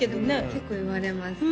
結構言われます